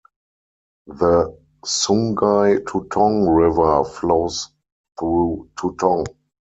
The Sungai Tutong river flows through Tutong.